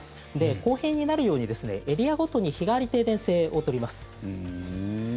公平になるようにエリアごとに日替わり停電制を取ります。